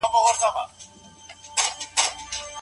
کمپيوټر پوسټر چاپوي.